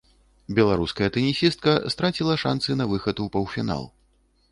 Беларуская тэнісістка страціла шанцы на выхад у паўфінал.